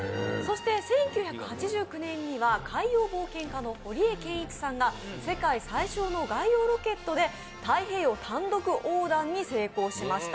１９８９年には海洋冒険家の堀江謙一さんが世界最小の外洋ヨットで太平洋単独横断に成功しました。